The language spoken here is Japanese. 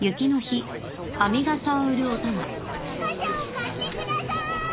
かさを買ってくださーい！